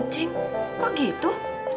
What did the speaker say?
cing kok gitu